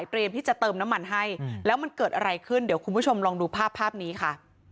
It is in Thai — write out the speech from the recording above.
ที่จะเติมน้ำมันให้แล้วมันเกิดอะไรขึ้นเดี๋ยวคุณผู้ชมลองดูภาพภาพนี้ค่ะ